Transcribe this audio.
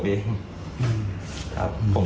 ผมเสียใจนะครับถูกตสิน